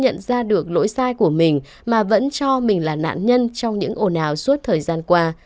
nhiều người đã nhận được lỗi sai của mình mà vẫn cho mình là nạn nhân trong những ổn ào suốt thời gian qua